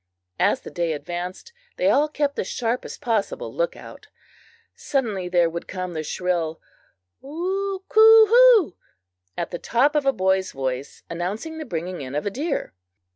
As the day advanced, they all kept the sharpest possible lookout. Suddenly there would come the shrill "Woo coohoo!" at the top of a boy's voice, announcing the bringing in of a deer.